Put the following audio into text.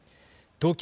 東京